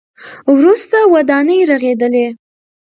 وروسته ودانۍ رغېدلې.